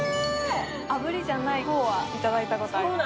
炙りじゃない方はいただいたことがあります。